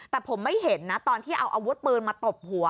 แต่ผมไม่เห็นนะตอนที่เอาอาวุธปืนมาตบหัว